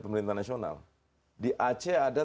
pemerintah nasional di aceh ada